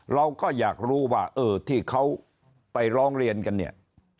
เราก็อยากรู้ว่าเออที่เขาไปร้องเรียนกันเนี่ย